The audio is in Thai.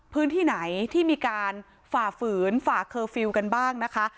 พื้นที่ไหนที่มีการฝ่าฝืนฝ่าเคอร์ฟิลล์กันบ้างนะคะ